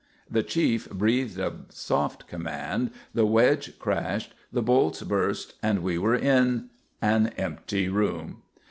The chief breathed a soft command, the wedge crashed, the bolts burst, and we were in an empty room.